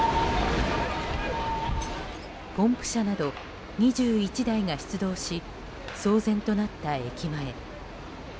ポンプ車など２１台が出動し騒然となった駅前。